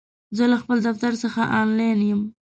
زه له خپل دفتر څخه آنلاین یم!